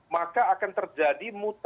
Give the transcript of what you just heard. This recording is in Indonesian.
maka akan terjadi mutasi